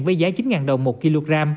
với giá chín đồng một kg